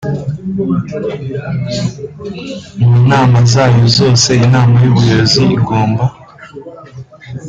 Mu nama zayo zose inama y ubuyobozi igomba